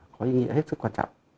có ý nghĩa hết sức quan trọng